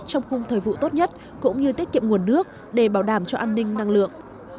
trong khung thời vụ tốt nhất cũng như tiết kiệm nguồn nước để bảo đảm cho an ninh năng lượng